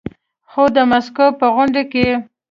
خو د ماسکو په غونډه کې